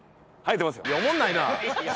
おもんないな。